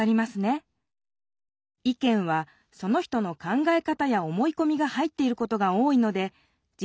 意見はその人の考え方や思いこみが入っていることが多いので事